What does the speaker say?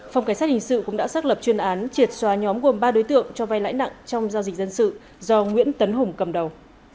phòng cảnh sát hình sự cũng đã xác lập chuyên án triệt xóa nhóm gồm ba đối tượng cho vai lãi nặng trong giao dịch dân sự do nguyễn tấn hùng cầm đầu